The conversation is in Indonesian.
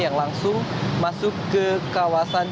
yang langsung masuk ke kawasan